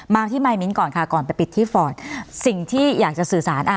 มาที่มายมิ้นก่อนค่ะก่อนไปปิดที่ฟอร์ตสิ่งที่อยากจะสื่อสารอ่ะ